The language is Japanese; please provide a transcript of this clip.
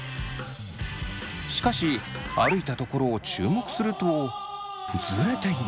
しかし歩いた所を注目するとズレています。